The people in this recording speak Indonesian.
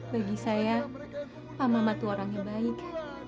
bagi saya pak muhammad itu orang yang baik